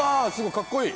かっこいい！